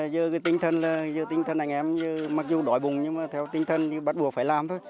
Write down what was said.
giờ cái tinh thần là giữa tinh thần anh em mặc dù đói bùng nhưng mà theo tinh thần thì bắt buộc phải làm thôi